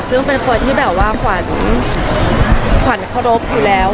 ซึ่งเป็นคนที่แบบว่าขวัญขวัญเคารพอยู่แล้ว